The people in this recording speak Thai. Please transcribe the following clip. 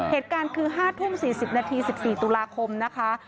เหตุการณ์คือ๕ทุ่ม๔๐นาที๑๔ตุลาคมนะคะ